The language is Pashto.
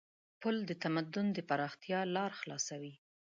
پُل د تمدن د پراختیا لار خلاصوي.